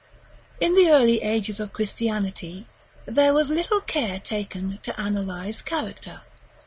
§ XLV. In the early ages of Christianity, there was little care taken to analyze character.